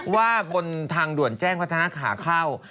ว่าบนทางด่วนแจ้งพัฒนาขาเข้า